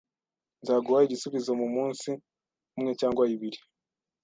Nzaguha igisubizo mumunsi umwe cyangwa ibiri